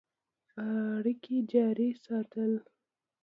اړیکي جاري ساتل.